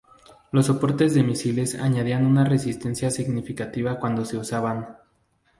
Los soportes de misiles añadían una resistencia significativa cuando se usaban.